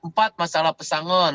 empat masalah pesangon